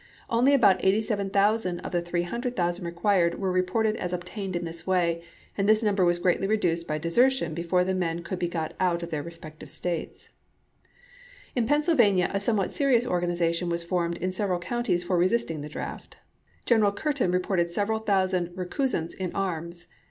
Only about 87,000 of the 300,000 required were re ported as obtained in this way, and this number was greatly reduced by desertion before the men could be got out of their respective States. In Pennsylvania a somewhat serious organization was formed in several counties for resisting the draft. Governor Curtin reported several thousand recusants in arms.